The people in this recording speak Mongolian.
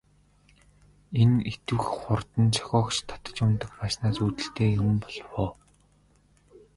Энэ их идэвх хурд нь зохиогч татаж унадаг байснаас үүдэлтэй юм болов уу?